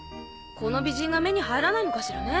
この美人が目に入らないのかしらね。